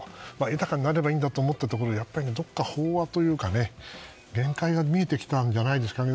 豊かになればいいんだと思っているところはどこか飽和というか、限界が見えてきたんじゃないですかね。